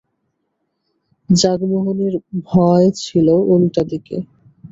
জগমোহনের ভয় ছিল উলটা দিকে।